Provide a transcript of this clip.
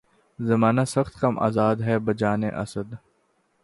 زمانہ سخت کم آزار ہے بجانِ اسد